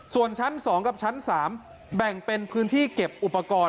ส่วนชั้น๒กับชั้น๓แบ่งเป็นพื้นที่เก็บอุปกรณ์